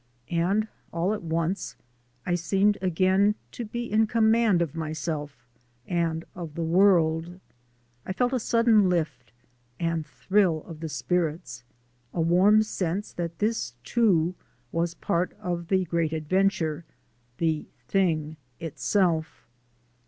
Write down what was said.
And all at once I seemed again to be in command of myself and of the world. I felt a sudden lift and thrill of the spirits, a warm sense that this too was part of the great adventure the Thing Itself.